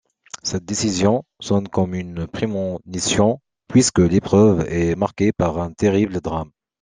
Cette décision sonne comme une prémonition puisque l'épreuve est marquée par un terrible drame.